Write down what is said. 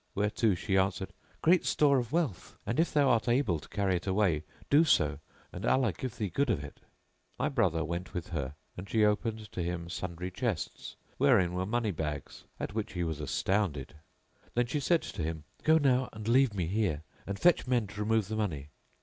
whereto she answered, "Great store of wealth, and if thou art able to carry it away, do so and Allah give thee good of it" My brother went with her and she opened to him sundry chests wherein were money bags, at which he was astounded; then she said to him, "Go now and leave me here, and fetch men to remove the money."